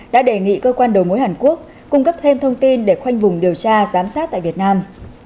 đã đề nghị cơ quan đầu mối hàn quốc cung cấp thêm thông tin để khoanh vùng điều tra giám sát tại việt nam